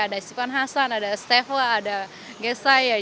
ada sipan hasan ada stefa ada gesai